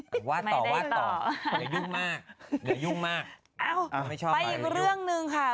ไปอีกเรื่องนึงค่ะ